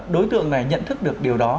đối tượng này nhận thức được điều đó